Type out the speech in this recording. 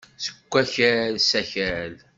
Seg wakal, s akal.